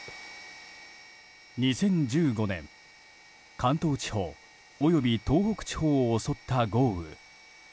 ２０１５年、関東地方および東北地方を襲った豪雨。